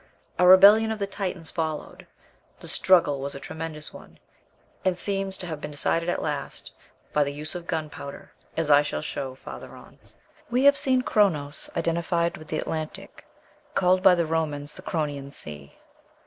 A rebellion of the Titans followed. The struggle was a tremendous one, and seems to have been decided at last by the use of gunpowder, as I shall show farther on. We have seen Chronos identified with the Atlantic, called by the Romans the "Chronian Sea."